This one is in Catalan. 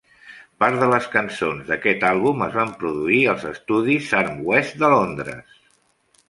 Part de les cançons d'aquest àlbum es van produir als estudis Sarm West de Londres.